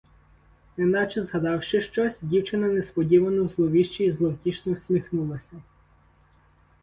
Неначе згадавши щось, дівчина несподівано зловіще і зловтішно всміхнулася.